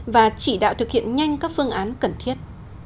và chỉ đạo thực hiện nhanh các phương án cần thiết